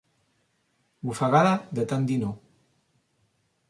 Ofegada de tant dir no.